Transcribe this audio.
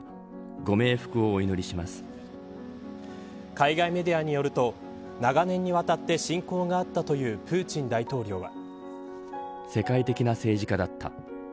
海外メディアによると長年にわたって親交があったというプーチン大統領は。